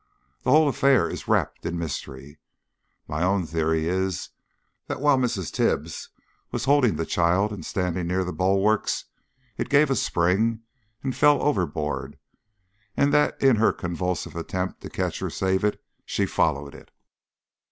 The whole affair is wrapped in mystery. My own theory is that while Mrs. Tibbs was holding the child and standing near the bulwarks it gave a spring and fell overboard, and that in her convulsive attempt to catch or save it, she followed it.